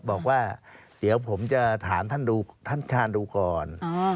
บอกว่าเดี๋ยวผมจะถามท่านชาญดูก่อน